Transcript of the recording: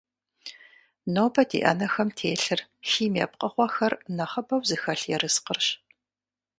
Нобэ ди ӏэнэхэм телъыр химие пкъыгъуэхэр нэхъыбэу зыхэлъ ерыскъырщ.